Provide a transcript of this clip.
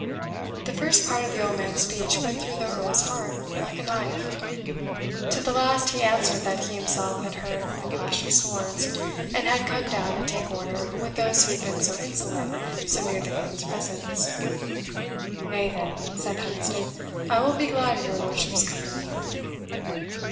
The first part of the old man's speech went through the Earl's heart like a knife; to the last he answered that he himself had heard the clash of swords, and had come down to take order with those who had been so insolent so near the Queen's presence. "Nay, then," said Hunsdon, "I will be glad of your lordship's company."